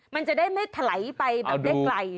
มันจะได้ไม่ไถลไปแบบเล็กไกล